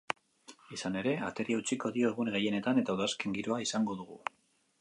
Izan ere, ateri eutsiko dio egun gehienetan eta udazken giroa izango dugu.